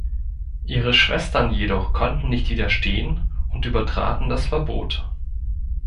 Ihre Schwestern jedoch konnten nicht widerstehen und übertraten das Verbot.